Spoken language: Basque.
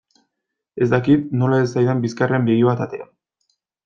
Ez dakit nola ez zaidan bizkarrean begi bat atera.